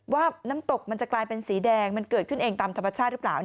ว่าน้ำตกมันจะกลายเป็นสีแดงมันเกิดขึ้นเองตามธรรมชาติหรือเปล่า